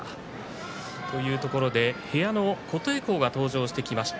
部屋の琴恵光が登場してきました。